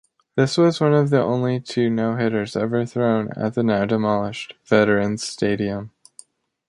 This was one of only two no-hitters ever thrown at the now-demolished Veterans Stadium.